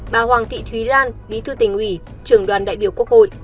bà hoàng thị thúy lan bí thư tỉnh ủy trưởng đoàn đại biểu quốc hội